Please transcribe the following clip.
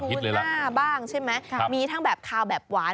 ยอดพริกเลยล่ะทุกหน้าบ้างใช่ไหมครับมีทั้งแบบคาวแบบหวาน